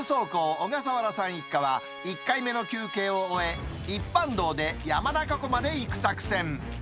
小笠原さん一家は、１回目の休憩を終え、一般道で山中湖まで行く作戦。